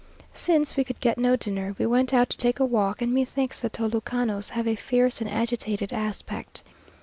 Since we could get no dinner, we went out to take a walk; and methinks the Tolucanos have a fierce and agitated aspect.